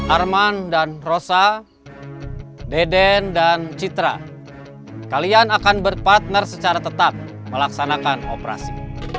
arman dan rosa deden dan citra kalian akan berpartner secara tetap melaksanakan operasi